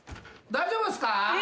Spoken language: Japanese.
大丈夫っすか？